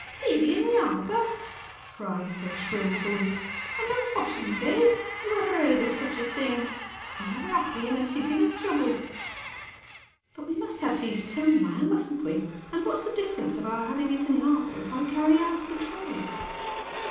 "Tea in the arbour I " cries her shrill voice, " and on a wash ing day ! Who ever heard of such a thing ? You're never happy unless you're giving trouble." " But we must have tea somewhere, musn't we, stupid ? And what's the difference of our having it in the arbour if I carry o«t the tray